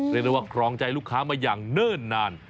เรียกได้ว่าครองใจลูกค้ามาอย่างเนิ่นนาน